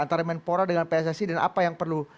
antara kemenpora dengan pssi dan apa yang perlu di highlight